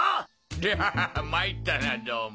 タハハハ参ったなどうも。